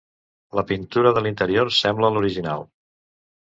La pintura de l'interior sembla l'original.